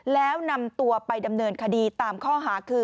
แล้วนำตัวไปดำเนินคดีตามข้อหาคือ